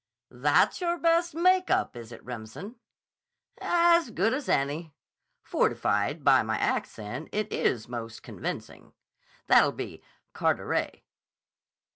"That's your best make up, is it, Remsen?" "As good as any. Fortified by my accent, it is most convincing. That'll be Carteret."